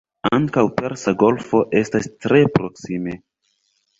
Ankaŭ Persa Golfo estas tre proksime.